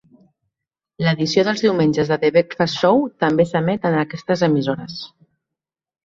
L'edició dels diumenges de 'The Breakfast Show' també s'emet en aquestes emissores.